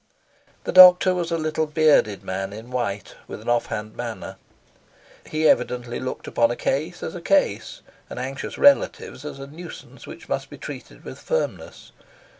The doctor was a little bearded man in white, with an offhand manner. He evidently looked upon a case as a case, and anxious relatives as a nuisance which must be treated with firmness.